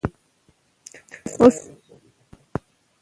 تعلیم د سراسري پراختیا لپاره کلیدي دی.